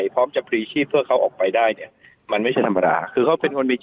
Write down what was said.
กล่อมให้คนนี้หลงเชื่อเขา